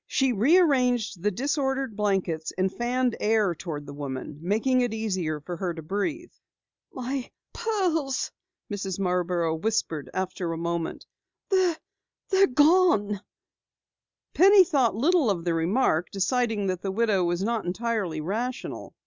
She rearranged the disordered blankets, and fanned air toward the woman, making it easier for her to breathe. "My pearls," Mrs. Marborough whispered after a moment. "They're gone." Penny thought little of the remark, deciding that the widow was not entirely rational.